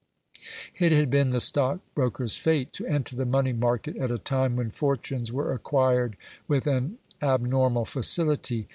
It had been the stockbroker's fate to enter the money market at a time when fortunes were acquired with an abnormal facility.